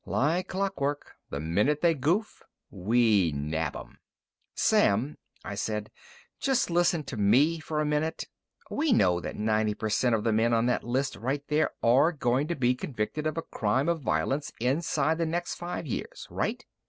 "Like clock work. The minute they goof, we nab 'em." "Sam," I said, "just listen to me a minute. We know that ninety per cent of the men on that list right there are going to be convicted of a crime of violence inside the next five years, right?"